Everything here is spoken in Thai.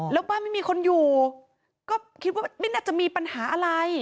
แล้วบ้านไม่มีคนอยู่ก็คิดว่าไม่น่าจะมีปัญหาอะไร